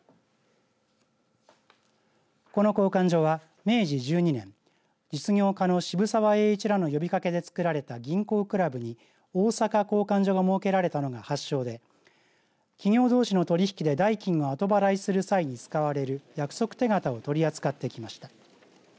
この交換所は明治１２年実業家の渋沢栄一らの呼びかけでつくられた銀行苦楽部に、大坂交換所が設けられたのが発祥で企業どうしの取り引きで代金を後払いする際に使われる約束手形を取り扱ってきました。